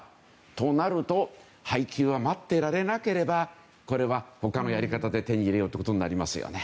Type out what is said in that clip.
となると配給を待っていられなければ他のやり方で手に入れようということになりますよね。